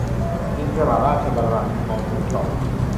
จึงสละราชบัลลังก์ให้ครองเมืองต่อ